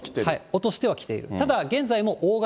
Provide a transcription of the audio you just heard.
落としてはきている。